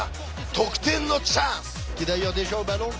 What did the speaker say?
得点のチャンス！